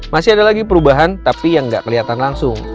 masih ada lagi perubahan tapi yang gak keliatan langsung